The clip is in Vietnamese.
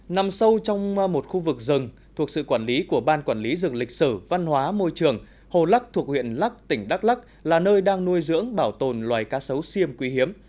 nằm sâu trong một khu vực rừng thuộc sự quản lý của ban quản lý rừng lịch sử văn hóa môi trường hồ lắc thuộc huyện lắc tỉnh đắk lắc là nơi đang nuôi dưỡng bảo tồn loài cá sấu siêm quý hiếm